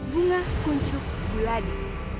bunga kuncup guladi